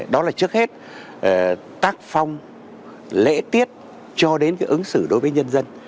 đó là trước hết tác phong lễ tiết cho đến cái ứng xử đối với nhân dân